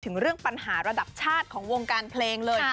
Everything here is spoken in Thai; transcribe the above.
ถึงเรื่องปัญหาระดับชาติของวงการเพลงเลย